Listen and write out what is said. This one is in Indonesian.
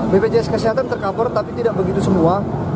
bpjs kesehatan tercover tapi tidak begitu semua